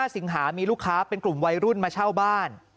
สิงหามีลูกค้าเป็นกลุ่มวัยรุ่นมาเช่าบ้าน